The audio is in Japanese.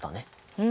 うん。